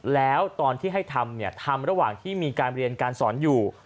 แล้วตอนที่ให้ทำเนี่ยทำทำระหว่างที่มีการเรียนการสอนอยู่